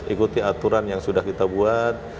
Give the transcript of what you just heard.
ikuti aturan yang sudah kita buat